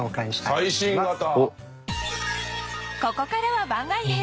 ここからは番外編